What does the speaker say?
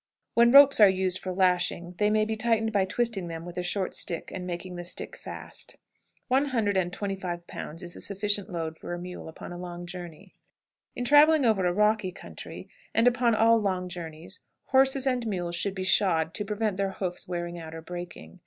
When ropes are used for lashing, they may be tightened by twisting them with a short stick and making the stick fast. One hundred and twenty five pounds is a sufficient load for a mule upon a long journey. In traveling over a rocky country, and upon all long journeys, horses and mules should be shod, to prevent their hoofs wearing out or breaking.